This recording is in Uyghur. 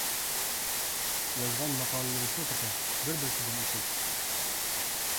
يازغان ماقالىلىرى چۇ تېخى، بىر-بىرسىدىن ئېسىل.